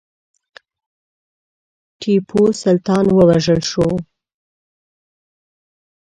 ټیپو سلطان ووژل شو.